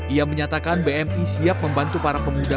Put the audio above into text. ia menyatakan bmi siap membantu para pemuda